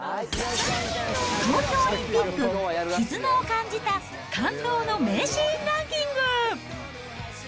東京オリンピック、絆を感じた感動の名シーンランキング。